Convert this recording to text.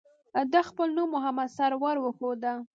ده خپل نوم محمد سرور وښوده.